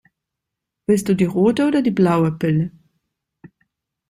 Willst du die rote oder die blaue Pille?